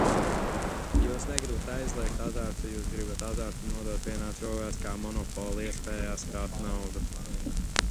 Jūs negribat aizliegt azartu, jūs gribat azartu nodot vienās rokās kā monopoliespējas kāst naudu.